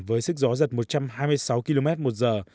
với sức gió giật một trăm hai mươi sáu km một giờ